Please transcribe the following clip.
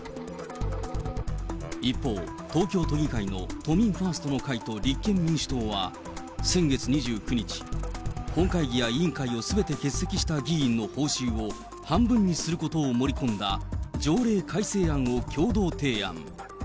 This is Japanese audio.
一方、東京都議会の都民ファーストの会と立憲民主党は、先月２９日、本会議や委員会をすべて欠席した議員の報酬を半分にすることを盛り込んだ条例改正案を共同提案。